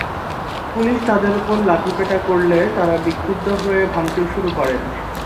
Police তাঁদের ওপর লাঠিপেটা করলে তাঁরা বিক্ষুব্ধ হয়ে ভাঙচুর শুরু করেন।